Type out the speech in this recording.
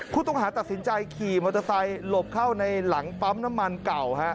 ผู้ต้องหาตัดสินใจขี่มอเตอร์ไซค์หลบเข้าในหลังปั๊มน้ำมันเก่า